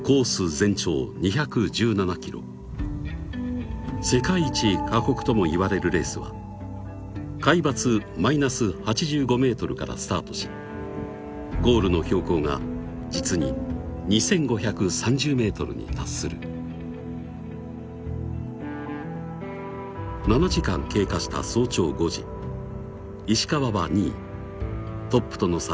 全長２１７ｋｍ世界一過酷とも言われるレースは海抜マイナス８５ｍからスタートしゴールの標高が実に２５３０ｍに達する７時間経過した早朝５時石川は２位トップとの差